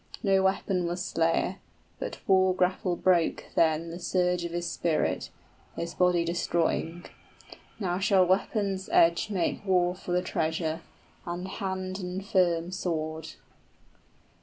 45 No weapon was slayer, but war grapple broke then The surge of his spirit, his body destroying. Now shall weapon's edge make war for the treasure, And hand and firm sword."